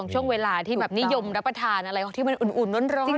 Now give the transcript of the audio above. ช่วงเวลาที่แบบนิยมรับประทานอะไรที่มันอุ่นร้อน